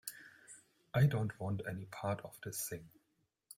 I don't want any part of this thing.